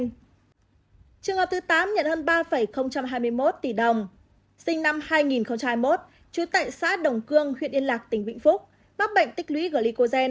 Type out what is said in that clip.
trường hợp thứ tám nhận hơn ba hai mươi một tỷ đồng sinh năm hai nghìn hai mươi một trú tại xã đồng cương huyện yên lạc tỉnh vĩnh phúc mắc bệnh tích lũy glicon